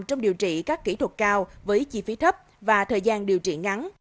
trong điều trị các kỹ thuật cao với chi phí thấp và thời gian điều trị ngắn